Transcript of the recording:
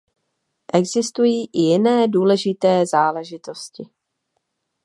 Existují i jiné důležité záležitosti.